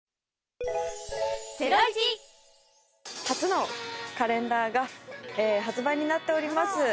初のカレンダーが発売になっております。